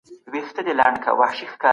هغه نښې چي پر ځمکه وې د فیل وې.